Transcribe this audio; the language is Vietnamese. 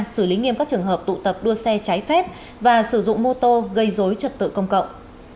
xử lý nghiêm các trường hợp tụ tập đua xe trái phép và sử dụng mô tô gây dối trật tự công cộng